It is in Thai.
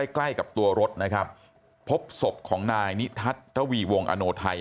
ใกล้กับตัวรถนะครับพบศพของนายนิทัศน์ระวีวงอโนไทย